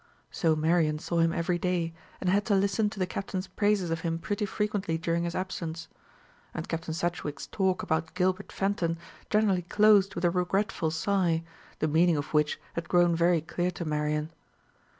So Marian saw him every day, and had to listen to the Captain's praises of him pretty frequently during his absence. And Captain Sedgewick's talk about Gilbert Fenton generally closed with a regretful sigh, the meaning of which had grown very clear to Marian.